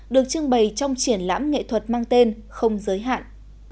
được trưng bày trong triển lãm nghệ thuật mang tên không giới hạn